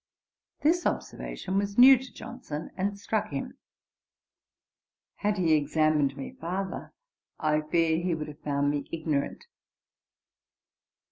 This observation was new to Johnson, and struck him. Had he examined me farther, I fear he would have found me ignorant.